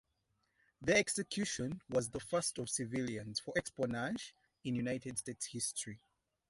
Their execution was the first of civilians, for espionage, in United States history.